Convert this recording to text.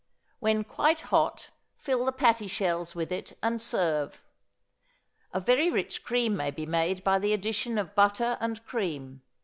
When quite hot, fill the patty shells with it, and serve. A very rich sauce may be made by the addition of butter and cream.